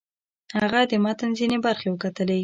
هغه د متن ځینې برخې وکتلې.